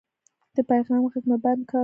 د پیغام غږ مې بند کړ.